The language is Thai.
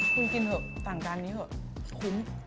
คุณกินเถอะสั่งจานนี้เถอะคุ้ม